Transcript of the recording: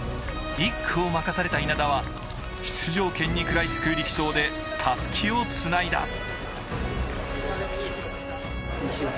１区を任された稲田は出場権に食らいつく力走でたすきをつないだ。